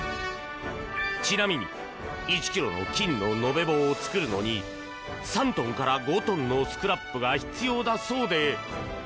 ちなみに１ｋｇの金の延べ棒を作るのに３トンから５トンのスクラップが必要だそうで。